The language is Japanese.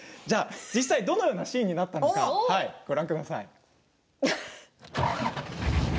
実際どのようなシーンになったのかご覧ください。